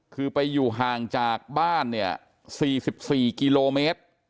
คือไปอยู่ห่างจากบ้านเนี่ย๔๔กิโลเมตร